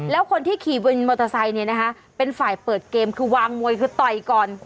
แล้วคนที่ขี่วินมอเตอร์ไซค์เนี่ยนะคะเป็นฝ่ายเปิดเกมคือวางมวยคือต่อยก่อน